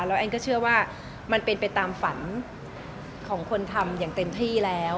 แล้วแอนก็เชื่อว่ามันเป็นไปตามฝันของคนทำอย่างเต็มที่แล้ว